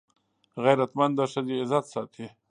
غیرتمند د ښځې عزت ساتي